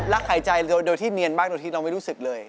หายใจโดยที่เนียนมากโดยที่เราไม่รู้สึกเลย